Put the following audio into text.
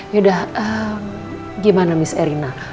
yaudah gimana miss erina